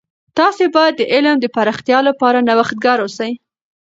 تاسې باید د علم د پراختیا لپاره نوښتګر اوسئ.